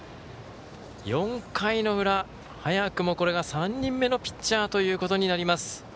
４回の裏、早くも３人目のピッチャーということになります。